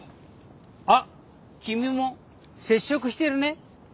あっ君も節食してるね？